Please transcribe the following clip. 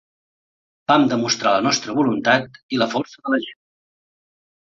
Vam demostrar la nostra voluntat i la força de la gent.